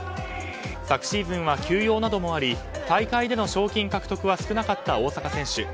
昨シーズンは休養などもあり大会での賞金獲得は少なかった大坂選手。